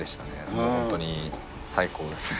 もう本当に最高です。